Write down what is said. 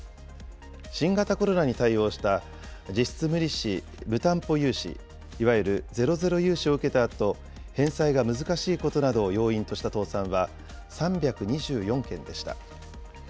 新型コロナに対応した実質無利子無担保融資、いわゆるゼロゼロ融資を受けたあと、返済が難しいことなどを要因とした倒産は３２４件でした。